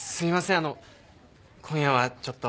あの今夜はちょっと。